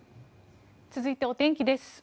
続いてお天気です。